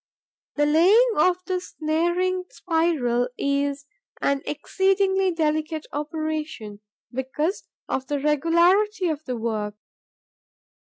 The laying of the snaring spiral is an exceedingly delicate operation, because of the regularity of the work.